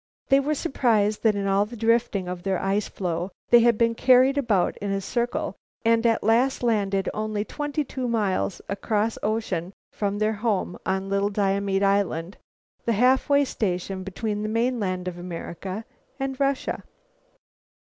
They were surprised that in all the drifting of their ice floe they had been carried about in a circle, and at last landed only twenty two miles across ocean from their home, on Little Diomede Island, the halfway station between the mainland of America and Russia.